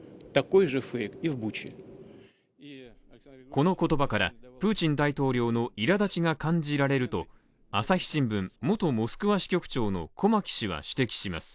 この言葉から、プーチン大統領のいらだちが感じられると朝日新聞、元モスクワ支局長の駒木氏は指摘します。